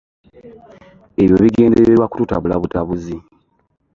Ebyo bigendererwa kututabula butabuzi.